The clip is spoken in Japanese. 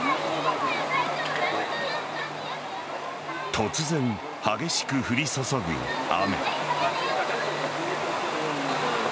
突然、激しく降り注ぐ雨。